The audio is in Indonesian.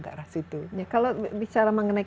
ke arah situ kalau bicara mengenai